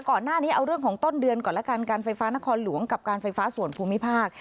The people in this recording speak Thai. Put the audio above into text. ก่อนหน้านี้เอาเรื่องของต้นเดือนก่อนละกันการไฟฟ้านครหลวงกับการไฟฟ้าส่วนภูมิภาค